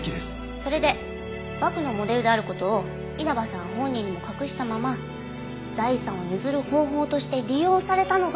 それでバクのモデルである事を稲葉さん本人にも隠したまま財産を譲る方法として利用されたのが。